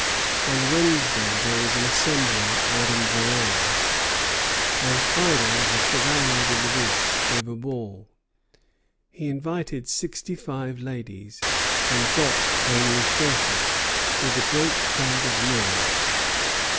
On Wednesday there was an Assembly at Madame Varin's; on Friday the Chevalier de Lévis gave a ball. He invited sixty five ladies, and got only thirty, with a great crowd of men.